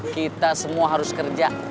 kita semua harus kerja